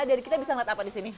dan kita bisa lihat apa di sini